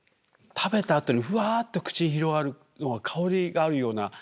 食べたあとにふわっと口に広がるのは香りがあるような。